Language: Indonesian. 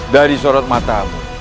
dari sorot matamu